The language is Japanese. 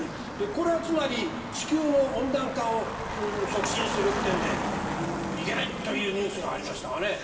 これはつまり地球の温暖化を促進するってんでいけないというニュースが入りましたがね。